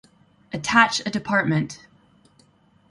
Attach a department.